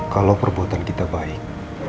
kalau perbuatan kita baik